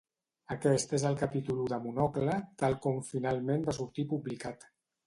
Aquest és el capítol u de Monocle tal com finalment va sortir publicat.